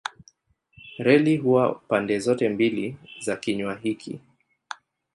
Reli huwa pande zote mbili za kinywa hiki.